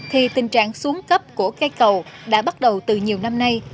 thì tình trạng xuống cấp của cây cầu đã bắt đầu từ nhiều năm nay